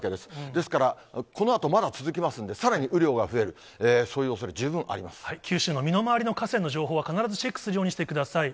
ですから、このあとまだ続きますんで、さらに雨量が増える、九州の身の回りの河川の情報は必ずチェックするようにしてください。